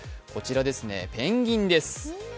こちらです、ペンギンです。